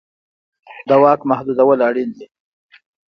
د واک محدودول اړین دي